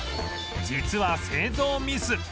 実は製造ミス